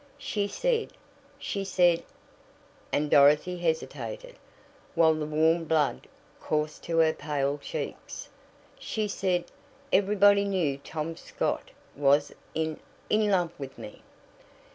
"She said she said," and Dorothy hesitated, while the warm blood coursed to her pale cheeks "she said everybody knew Tom Scott was in in love with me!"